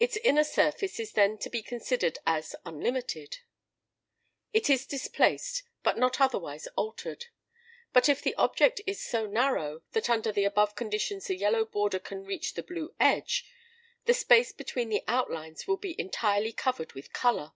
Its inner surface is then to be considered as unlimited (195): it is displaced, but not otherwise altered: but if the object is so narrow, that under the above conditions the yellow border can reach the blue edge, the space between the outlines will be entirely covered with colour.